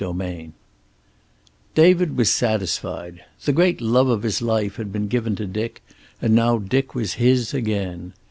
XLVII David was satisfied. The great love of his life had been given to Dick, and now Dick was his again.